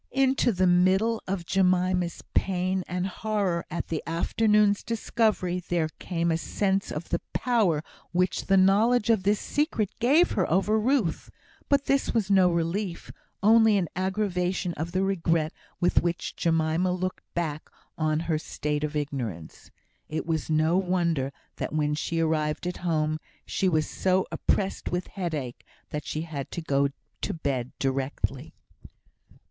Into the middle of Jemima's pain and horror at the afternoon's discovery, there came a sense of the power which the knowledge of this secret gave her over Ruth; but this was no relief, only an aggravation of the regret with which Jemima looked back on her state of ignorance. It was no wonder that when she arrived at home, she was so oppressed with headache that she had to go to bed directly.